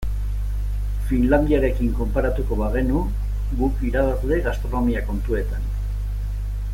Finlandiarekin konparatuko bagenu guk irabazle gastronomia kontuetan.